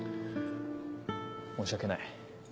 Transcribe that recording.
申し訳ない。